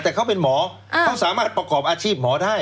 แต่เขาเป็นหมอเขาสามารถประกอบอาชีพหมอได้